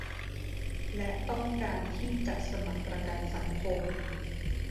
และต้องการที่จะสมัครประกันสังคม